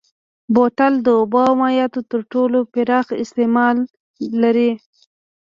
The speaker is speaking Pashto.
بوتل د اوبو او مایعاتو تر ټولو پراخ استعمال لري.